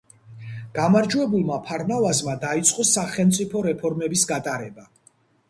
გამარჯვებულმა ფარნავაზმა დაიწყო სახელმწიფო რეფორმების გატარება.